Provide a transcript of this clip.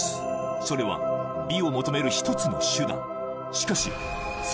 それは美を求める一つの手段